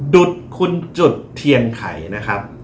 ดุดคุณจุดเทียนไข่นะครับ